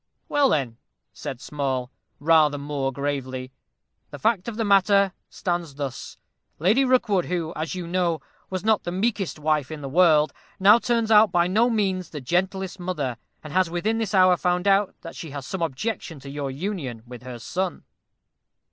"Well, then," said Small, rather more gravely, "the fact of the matter stands thus: Lady Rookwood, who, as you know, was not the meekest wife in the world, now turns out by no means the gentlest mother, and has within this hour found out that she has some objection to your union with her son."